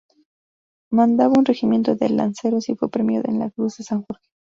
Mandaba un regimiento de lanceros y fue premiado con la Cruz de San Jorge.